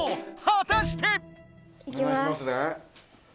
はたして⁉いきます。